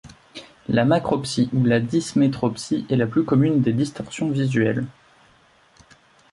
La macropsie, ou la dysmétropsie, est la plus commune des distorsions visuelles.